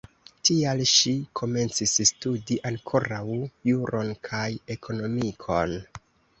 Tial ŝi komencis studi ankoraŭ juron kaj ekonomikon.